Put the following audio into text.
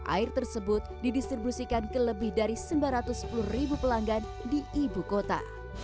air tersebut didistribusikan ke lebih dari sembilan ratus sepuluh ribu pelanggan di ibu kota